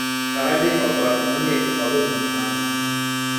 فقط یک آپارتمان یک خوابه می خواهم.